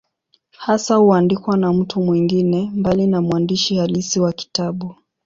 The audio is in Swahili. Hasa huandikwa na mtu mwingine, mbali na mwandishi halisi wa kitabu.